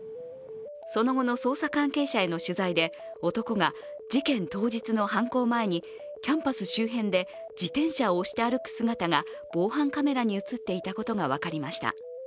その後の捜査関係者への取材で、男が事件当日の犯行前にキャンパス周辺で自転車を押して歩く姿が防犯カメラに映っていたことが分かりました。